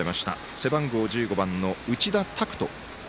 背番号１５番の内田タクト。